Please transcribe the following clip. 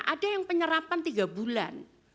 ada yang penyerapan tiga bulan